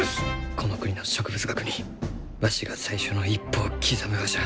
この国の植物学にわしが最初の一歩を刻むがじゃ。